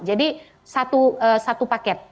jadi satu paket